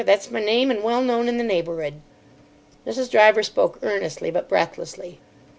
That's my name, and well known in the neighbour'ood." Mrs. Driver spoke earnestly, but breathlessly.